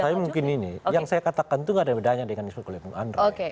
saya mungkin ini yang saya katakan itu tidak ada bedanya dengan ismus kulipung andrai